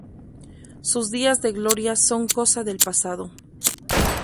Sus días de gloria son cosa del pasado.